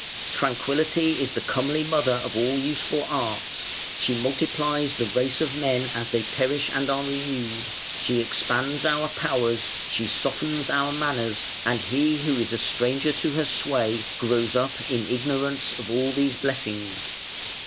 Tranquillity is the comely mother of all useful arts; she multiplies the race of men as they perish and are renewed; she expands our powers, she softens our manners, and he who is a stranger to her sway grows up in ignorance of all these blessings.